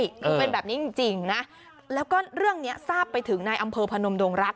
คือเป็นแบบนี้จริงนะแล้วก็เรื่องนี้ทราบไปถึงในอำเภอพนมดงรักษ